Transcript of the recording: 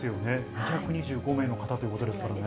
２２５名の方ということですからね。